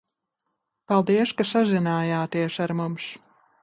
Paldies, ka sazinājāties ar mums!